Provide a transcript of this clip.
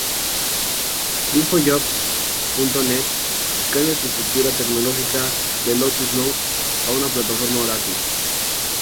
InfoJobs.net cambia su estructura tecnológica de Lotus Notes a una plataforma Oracle.